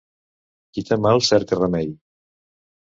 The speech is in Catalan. Qui té mal cerca remei.